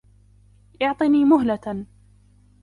اعطني مهلة.